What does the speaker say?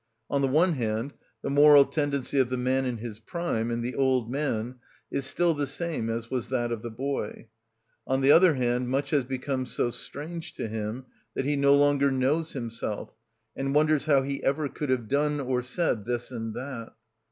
On the one hand, the moral tendency of the man in his prime and the old man is still the same as was that of the boy; on the other hand, much has become so strange to him that he no longer knows himself, and wonders how he ever could have done or said this and that.